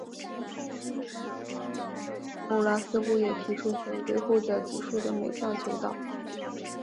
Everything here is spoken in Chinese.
欧拉似乎也提出可以对后者级数的每项求导。